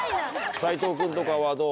斎藤君とかはどう？